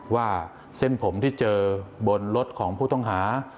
เส้นผมที่เจอบนรถของผู้ต้องหา